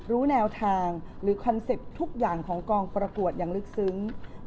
รู้แนวทางหรือคอนเซ็ปต์ทุกอย่างของกองประกวดอย่างลึกซึ้ง